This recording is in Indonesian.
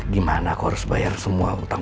gimana aku harus bayar semua utang utang gue ke bank